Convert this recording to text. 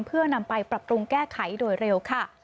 เพื่อนำไปปรับปรุงแก้ไขโดยเร็วค่ะ